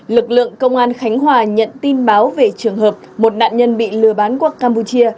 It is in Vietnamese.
lực lượng công an khánh hòa nhận tin báo về trường hợp một nạn nhân bị lừa bán qua campuchia